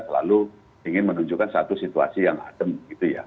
selalu ingin menunjukkan satu situasi yang adem gitu ya